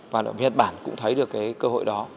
và việt bản cũng thấy được cái cơ hội đó